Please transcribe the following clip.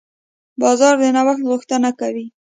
بازار د نوښت غوښتنه کوي.